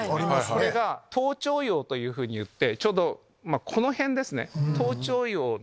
これが頭頂葉といってちょうどこの辺ですね。